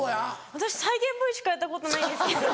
私再現ＶＴＲしかやったことないんですけど。